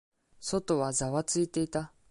外はざわついていた。